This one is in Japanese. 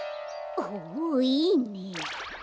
ほおいいね。